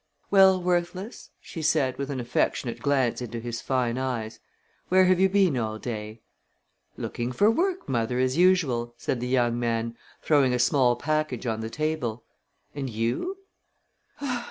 "Well, Worthless," she said, with an affectionate glance into his fine eyes, "where have you been all day?" "Looking for work, mother, as usual," said the young man, throwing a small package on the table. "And you?"